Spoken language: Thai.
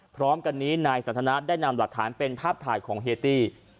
พร้อมกันนี้นายสันทนาได้นำหลักฐานเป็นภาพถ่ายของเฮียตี้